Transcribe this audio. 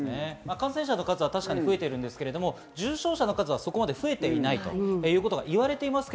感染者の数は確かに増えているんですけれども、重症者の数は、そこまで増えていないということが言われています。